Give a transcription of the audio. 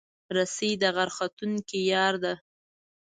رسۍ د غر ختونکو یار ده.